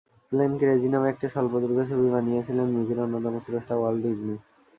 Plane crazy নামে একটা স্বল্পদৈর্ঘ্য ছবি বানিয়েছিলেন মিকির অন্যতম স্রষ্টা, ওয়াল্ট ডিজনি।